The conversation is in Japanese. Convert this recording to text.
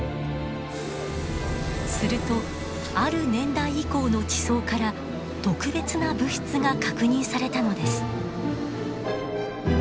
するとある年代以降の地層から特別な物質が確認されたのです。